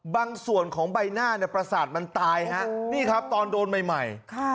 บางส่วนของใบหน้าเนี่ยประสาทมันตายฮะนี่ครับตอนโดนใหม่